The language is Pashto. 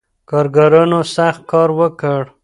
کارګرانو سخت کار وکړ.